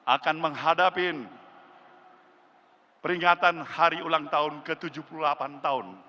akan menghadapi peringatan hari ulang tahun ke tujuh puluh delapan tahun